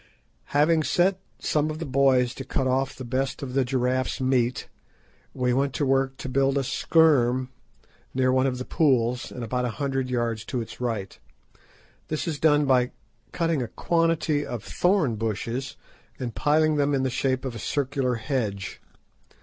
Having set some of the "boys" to cut off the best of the giraffe's meat, we went to work to build a "scherm" near one of the pools and about a hundred yards to its right. This is done by cutting a quantity of thorn bushes and piling them in the shape of a circular hedge.